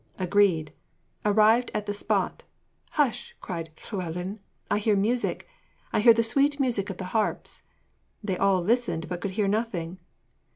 Agreed. Arrived at the spot, 'Hush,' cried Llewellyn, 'I hear music! I hear the sweet music of the harps!' They all listened, but could hear nothing.